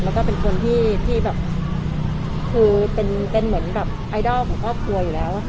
แล้วก็เป็นคนที่เป็นเหมือนแบบไอดอลของพ่อค่อยแล้ว